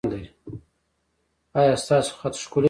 ایا ستاسو خط ښکلی دی؟